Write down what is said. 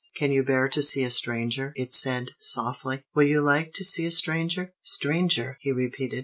"Can you bear to see a stranger?" it said softly. "Will you like to see a stranger?" "Stranger!" he repeated.